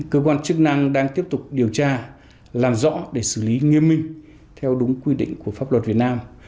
cơ quan chức năng đang tiếp tục điều tra làm rõ để xử lý nghiêm minh theo đúng quy định của pháp luật việt nam